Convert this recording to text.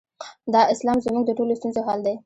دا اسلام زموږ د ټولو ستونزو حل دی.